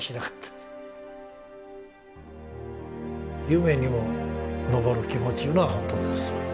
夢にも昇る気持ちいうのは本当ですわ。